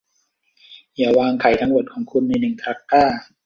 อย่าวางไข่ทั้งหมดของคุณในหนึ่งตะกร้า